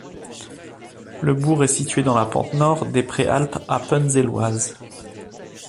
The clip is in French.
Le bourg est situé dans la pente nord des Préalpes appenzelloises.